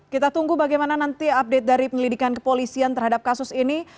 kita tunggu bagaimana nanti update dari penyelidikan kepolisian terhadap kasus ini